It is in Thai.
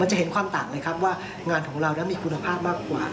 จะเห็นความต่างเลยครับว่างานของเรานั้นมีคุณภาพมากกว่า